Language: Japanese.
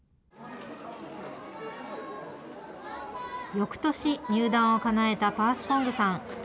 よくとし、入団をかなえたパースポングさん。